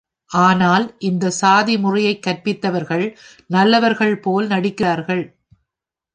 ஆனால், இந்தச் சாதி முறையைக் கற்பித்தவர்கள் நல்லவர்கள் போல நடிக்கிறார்கள்.